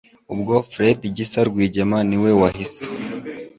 Ubwo Fred Gisa Rwigema ni we wahise